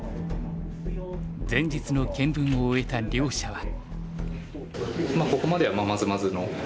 前日の検分を終えた両者は。